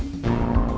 pada saat ini